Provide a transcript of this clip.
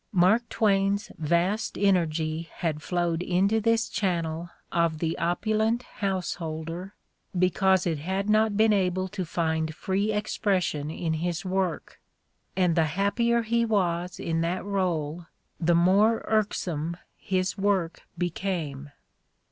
Mark Twain's vast energy had flowed into this channel of the opulent householder because it had not been able to find free expression in his work, and the happier he was in that role the more irksome his work became.